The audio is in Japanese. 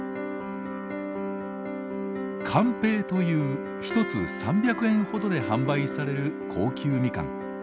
甘平という１つ３００円ほどで販売される高級みかん。